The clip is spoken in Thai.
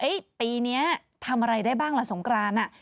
ปีนี้ทำอะไรได้บ้างล่ะสงกราน